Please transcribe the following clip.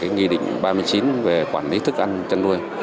nghị định ba mươi chín về quản lý thức ăn chăn nuôi